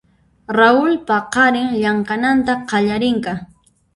Raul paqarin llamk'ananta qallarinqa.